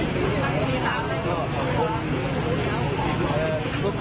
สำคัญการเชิญรักของปุ๊บมารสุนุกของหมูครองกลับสี่นี้